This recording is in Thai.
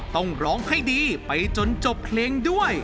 ต้องร้องให้ดีไปจนจบเพลงด้วย